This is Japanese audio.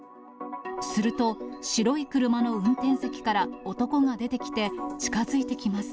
すると、白い車の運転席から男が出てきて、近づいてきます。